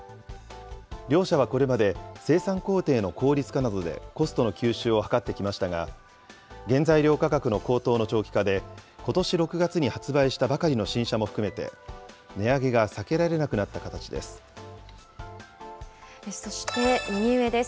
両社はこれまで、生産工程の効率化などでコストの吸収を図ってきましたが、原材料価格の高騰の長期化で、ことし６月に発売したばかりの新車も含めて、値上げが避けられなくなった形です。